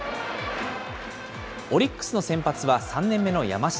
オリックスの先発は３年目の山下。